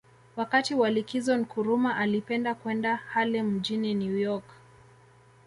Wakati wa likizo Nkrumah alipenda kwenda Harlem mjini New York